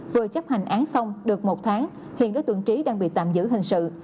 vừa chấp hành án xong được một tháng hiện đối tượng trí đang bị tạm giữ hình sự